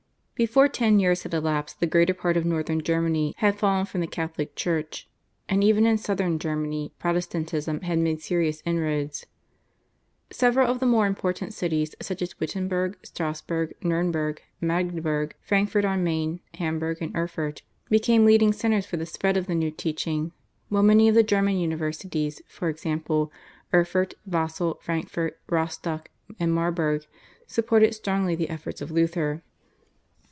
Before ten years had elapsed the greater part of Northern Germany had fallen from the Catholic Church, and even in Southern Germany Protestantism had made serious inroads. Several of the more important cities such as Wittenberg, Strassburg, Nurnberg, Magdeburg, Frankfurt on Main, Hamburg, and Erfurt became leading centres for the spread of the new teaching, while many of the German universities, for example, Erfurt, Basle, Frankfurt, Rostock, and Marburg supported strongly the efforts of Luther.